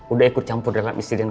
udah ikut campur dalam istiadatnya